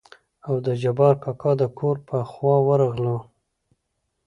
او د جبار کاکا دکور په خوا ورغلو.